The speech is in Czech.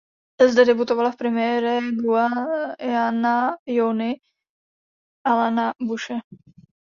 Zde debutovala v premiéře "Guyana Johnny" Alana Bushe.